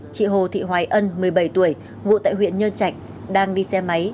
chị hồ thị hoài ân một mươi bảy tuổi ngụ tại huyện nhơn trạch đang đi xe máy